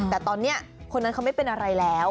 แต่ตอนนี้คนนั้นเขาไม่เป็นอะไรแล้ว